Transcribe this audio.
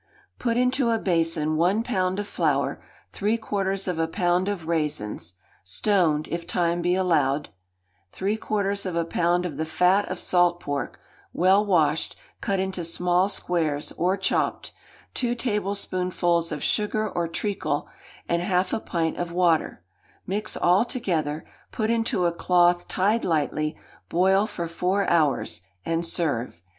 Put into a basin one pound of flour, three quarters of a pound of raisins (stoned, if time be allowed), three quarters of a pound of the fat of salt pork (well washed, cut into small squares, or chopped), two tablespoonfuls of sugar or treacle; and half a pint of water; mix all together; put into a cloth tied lightly; boil for four hours, and serve.